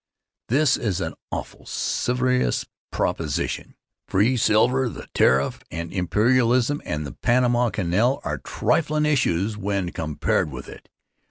This is an awful serious proposition. Free silver and the tariff and imperialism and the Panama Canal are triflin' issues when compared to it.